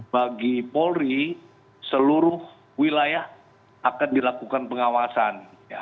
bagi polri seluruh wilayah akan dilakukan pengawasan